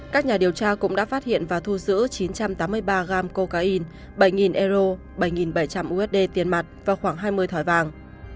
các nhà điều tra cũng đã phát hiện và thu giữ chín trăm tám mươi ba gam cocaine bảy euro bảy bảy trăm linh usd tiền mặt và khoảng hai mươi thỏi vàng